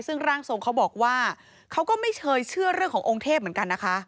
ซึ่งร่างทรงเขาบอกว่าเขาก็ไม่เคยเชื่อเรื่องขององค์เทพเหมือนกันนะคะ